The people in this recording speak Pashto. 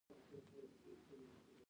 چې له مخزېږدي نه زرګونه کاله دمخه دود و.